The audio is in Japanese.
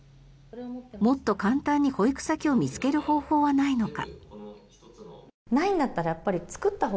もっと簡単に保育先を見つける方法はないのか。